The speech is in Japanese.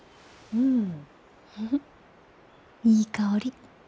いい香り。